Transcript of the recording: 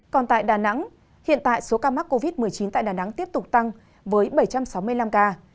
còn tại đà nẵng hiện tại số ca mắc covid một mươi chín tại đà nẵng tiếp tục tăng với bảy trăm sáu mươi năm ca